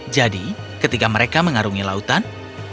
jadi ketika mereka mengarungi lautan